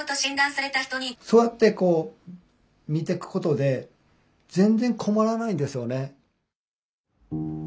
そうやってこう見ていくことで全然困らないんですよね。